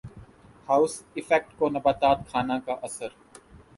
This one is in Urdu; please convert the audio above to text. ہاؤس افیکٹ کو نبات خانہ کا اثر